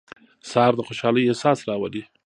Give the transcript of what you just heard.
سهار د خوشحالۍ احساس راولي.